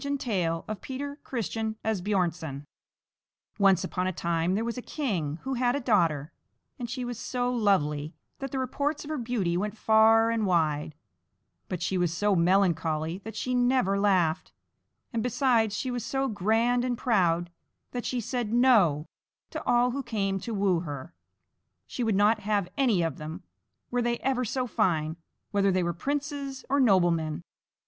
XVIII HANS, WHO MADE THE PRINCESS LAUGH Once upon a time there was a king, who had a daughter, and she was so lovely that the reports of her beauty went far and wide; but she was so melancholy that she never laughed, and besides she was so grand and proud that she said "No" to all who came to woo her she would not have any of them, were they ever so fine, whether they were princes or noblemen.